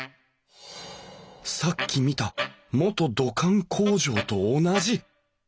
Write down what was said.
さっき見た元土管工場と同じ！